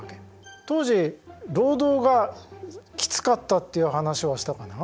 当時労働がきつかったっていう話はしたかな？